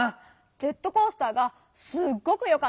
ジェットコースターがすっごくよかった。